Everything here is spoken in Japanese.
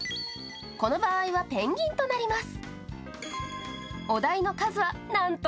この場合はペンギンとなります。